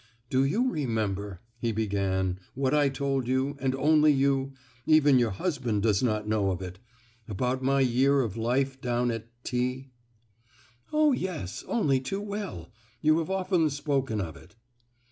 "Do you remember," he began, "what I told you, and only you,—even your husband does not know of it—about my year of life down at T——?" "Oh yes! only too well! You have often spoken of it."